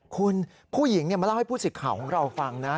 คุณผู้หญิงมาเล่าให้ผู้สิทธิ์ข่าวของเราฟังนะ